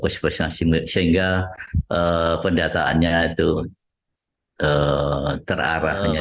sehingga pendataannya itu terarahnya